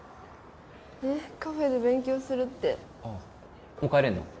えっカフェで勉強するってもう帰れんの？